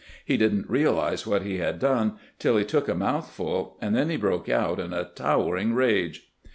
He did n't realize what he had done till he took a mouthful, and then he broke out in a towering rage.